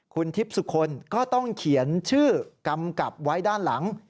คุณทิพย์สุคลก็ต้องเขียนชื่อกำกับไว้ด้านหลัง